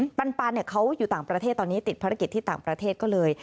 สุธัตตาอุดมสินปันเขาอยู่ต่างประเทศตอนนี้ติดภารกิจที่ต่างประเทศก็เลย